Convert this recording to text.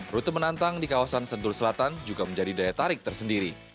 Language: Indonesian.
rute menantang di kawasan sentul selatan juga menjadi daya tarik tersendiri